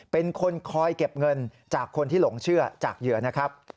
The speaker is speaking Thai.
เป็นคนคอยเก็บเงินจากคนที่หลงเชื่อจากเหยื่อนะครับ